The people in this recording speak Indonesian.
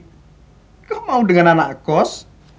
kalau mau dengan anak kos